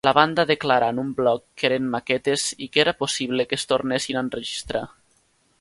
La banda declarà en un blog que eren maquetes i que era possible que es tornessin a enregistrar.